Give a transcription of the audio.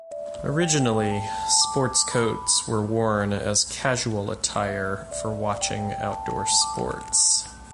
Originally, sports coats were worn as casual attire for watching outdoor sports.